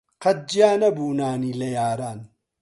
قەت جیا نەبوو نانی لە یاران